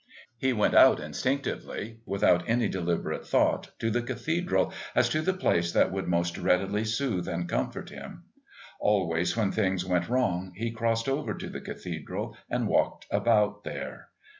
He went out instinctively, without any deliberate thought, to the Cathedral as to the place that would most readily soothe and comfort him. Always when things went wrong he crossed over to the Cathedral and walked about there.